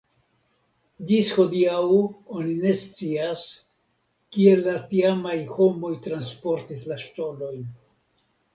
Ĝis hodiaŭ oni ne scias, kiel la tiamaj homoj transportis la ŝtonojn.